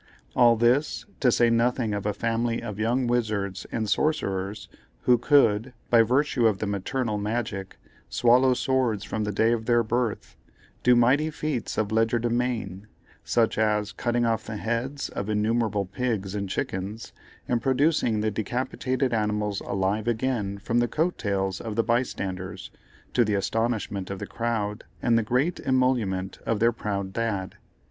All this, to say nothing of a family of young wizards and sorcerers, who could, by virtue of the maternal magic, swallow swords from the day of their birth, do mighty feats of legerdemain, such as cutting off the heads of innumerable pigs and chickens, and producing the decapitated animals alive again from the coat tails of the bystanders, to the astonishment of the crowd and the great emolument of their proud dad.